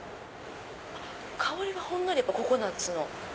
香りはほんのりココナツの。